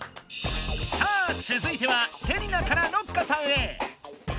さあつづいてはセリナからろっかさんへ！